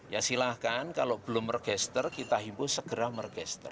ya silahkan kalau belum mergester kita himpus segera mergester